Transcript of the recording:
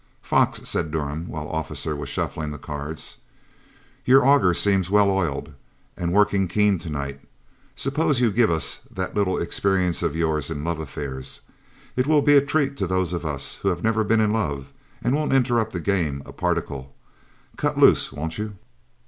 "Fox," said Durham, while Officer was shuffling the cards, "your auger seems well oiled and working keen to night. Suppose you give us that little experience of yours in love affairs. It will be a treat to those of us who have never been in love, and won't interrupt the game a particle. Cut loose, won't you?"